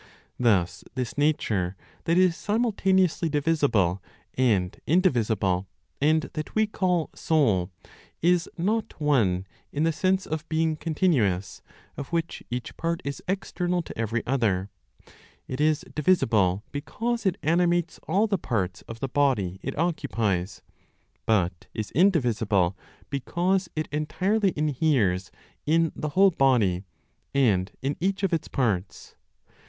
Thus this nature that is simultaneously divisible and indivisible, and that we call soul is not one in the sense of being continuous (of which each part is external to every other); it is divisible, because it animates all the parts of the body it occupies, but is indivisible because it entirely inheres in the whole body, and in each of its parts.